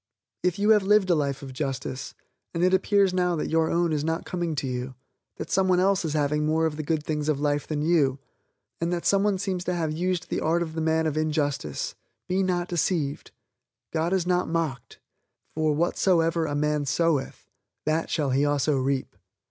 If you have lived a life of justice, and it appears now that your own is not coming to you, that someone else is having more of the good things of life than you, and that someone seems to have used the art of the man of injustice, be not deceived, God is not mocked, for "whatsoever a man soweth that shall he also reap."